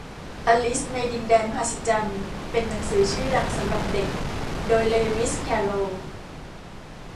อลิซในดินแดนมหัศจรรย์เป็นหนังสือชื่อดังสำหรับเด็ก โดยเลวิส แคโรล